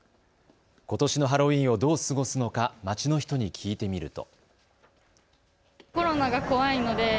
ことしのハロウィーンをどう過ごすのか街の人に聞いてみると。